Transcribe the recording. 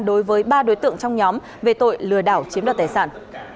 đối với ba đối tượng trong nhóm về tội lừa đảo chiếm đoạt tài sản